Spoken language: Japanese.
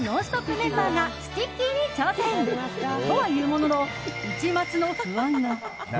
メンバーがスティッキーに挑戦！とはいうものの一抹の不安が。